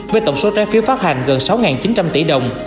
với tổng số trái phiếu phát hành gần sáu chín trăm linh tỷ đồng